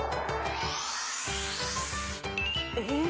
え？